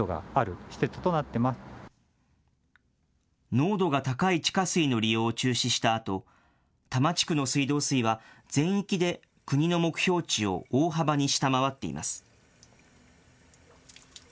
濃度が高い地下水の利用を中止したあと、多摩地区の水道水は全域で国の目標値を大幅に下回っています。